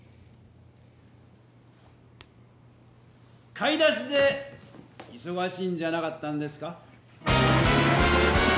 買い出しでいそがしいんじゃなかったんですか？